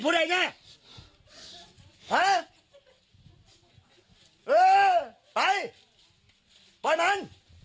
ปล่อยมัน